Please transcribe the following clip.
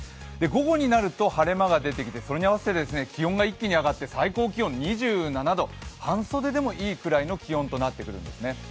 午後になると晴れ間が出てきてそれに合わせて気温が一気に上がって最高気温２７度、半袖でもいいくらいの気温となってくるんですね。